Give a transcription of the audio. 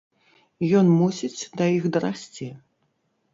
Ён мусіць да іх дарасці!